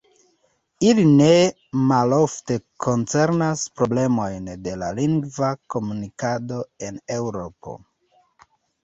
Ili ne malofte koncernas problemojn de la lingva komunikado en Eŭropo.